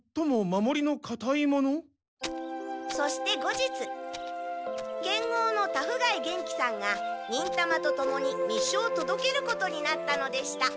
そして後日剣豪の田府甲斐幻鬼さんが忍たまとともに密書をとどけることになったのでした。